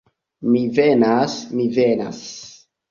Mi venas, mi venas!